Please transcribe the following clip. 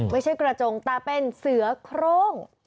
ไม่ใช่กระจงแต่เป็นเสือโครง